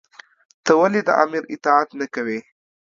تۀ ولې د آمر اطاعت نۀ کوې؟